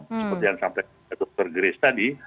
seperti yang kata dokter grace tadi